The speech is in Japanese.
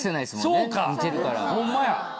そうかホンマや。